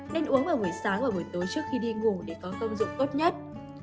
nên uống vào buổi sáng và buổi tối trước khi đi ngủ để có công dụng tốt nhất